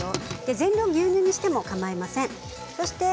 全量を牛乳にしてもかまいません。